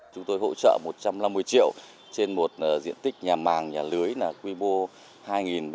chúng tôi hỗ trợ một trăm năm mươi triệu trên một diện tích nhà màng nhà lưới là quy mô hai m hai